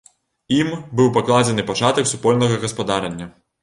Ім быў пакладзены пачатак супольнага гаспадарання.